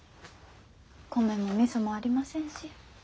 米もみそもありませんし。